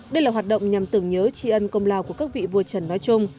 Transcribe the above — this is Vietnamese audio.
đây là hoạt động nhằm tưởng nhớ tri ân công lao của các vị vua trần nói chung